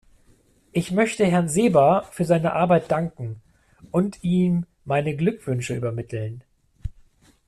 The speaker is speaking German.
Ich möchte Herrn Seeber für seine Arbeit danken und ihm meine Glückwünsche übermitteln.